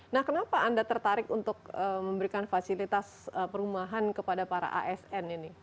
nah kenapa anda tertarik untuk memberikan fasilitas perumahan kepada para asn ini